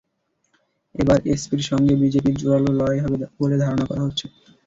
এবার এসপির সঙ্গে বিজেপির জোরালো লড়াই হবে বলে ধারণা করা হচ্ছে।